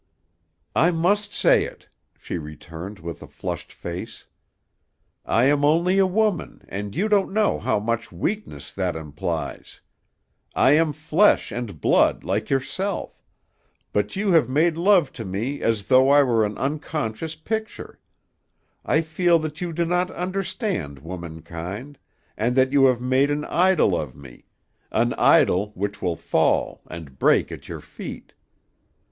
"I must say it," she returned, with a flushed face; "I am only a woman, and you don't know how much weakness that implies. I am flesh and blood, like yourself; but you have made love to me as though I were an unconscious picture. I fear that you do not understand womankind, and that you have made an idol of me; an idol which will fall, and break at your feet.